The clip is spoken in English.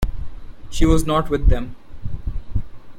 She was not with them.